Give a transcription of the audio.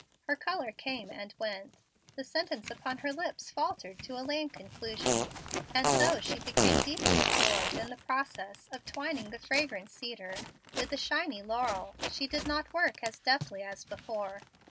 Her color came and went. The sentence upon her lips faltered to a lame conclusion, and though she became deeply absorbed in the process of twining the fragrant cedar with the shiny laurel, she did not work as deftly as before.